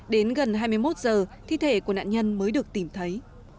đến gần hai mươi một h thi thể của nạn nhân mới được tìm thấy